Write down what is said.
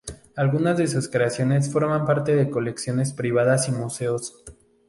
Algunas de sus creaciones forman parte de colecciones privadas y museos.